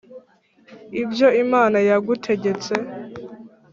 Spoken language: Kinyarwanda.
ibyo Imana yagutegetse